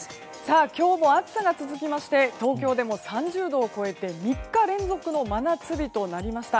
今日も暑さが続きまして東京でも３０度を超えて３日連続の真夏日となりました。